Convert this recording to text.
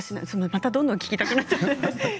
またどんどん聞きたくなっちゃう。